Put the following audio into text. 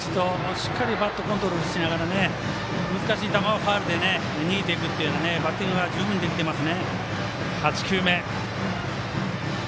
しっかりとバットコントロールしながら難しい球はファウルで逃げていくというようなバッティングが十分、できてます。